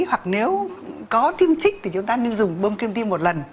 hoặc nếu có tiêm trích thì chúng ta nên dùng bơm kim tim một lần